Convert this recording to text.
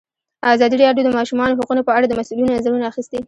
ازادي راډیو د د ماشومانو حقونه په اړه د مسؤلینو نظرونه اخیستي.